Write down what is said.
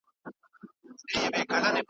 په سیالانو ګاونډیانو کي پاچا وو .